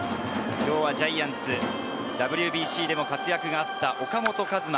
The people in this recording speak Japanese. ジャイアンツ、ＷＢＣでも活躍があった岡本和真。